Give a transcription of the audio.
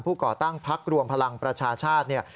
ก่อตั้งพักรวมพลังประชาชาติเนี่ย